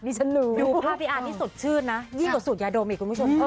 ดูภาพบีอาร์ทที่สุดชื่นยิ่งก่อกอยอย่าโด่มิก